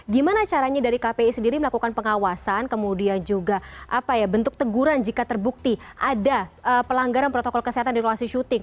gimana caranya dari kpi sendiri melakukan pengawasan kemudian juga bentuk teguran jika terbukti ada pelanggaran protokol kesehatan di ruang syuting